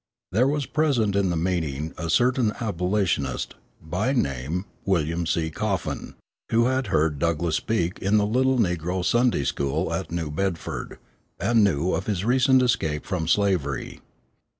There was present in the meeting a certain abolitionist, by name William C. Coffin, who had heard Douglass speak in the little negro Sunday school at New Bedford, and who knew of his recent escape from slavery.